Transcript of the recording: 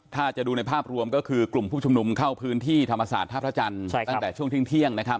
ถ้าจะดูในภาพรวมก็คือกลุ่มผู้ชุมนุมเข้าพื้นที่ธรรมศาสตร์ท่าพระจันทร์ตั้งแต่ช่วงเที่ยงนะครับ